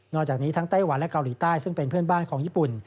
จากนี้ทั้งไต้หวันและเกาหลีใต้ซึ่งเป็นเพื่อนบ้านของญี่ปุ่น